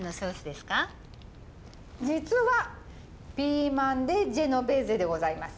実はピーマンでジェノベーゼでございます！